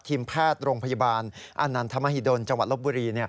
ทีมแพทย์โรงพยาบาลอานันทมหิดลจังหวัดลบบุรี